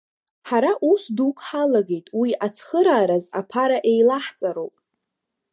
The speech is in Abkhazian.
Ҳара ус дук ҳалагеит уи аицхыраараз аԥара еилаҳҵароуп.